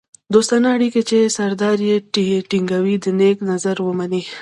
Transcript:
دوستانه اړیکې چې سردار یې ټینګوي په نېک نظر ومني.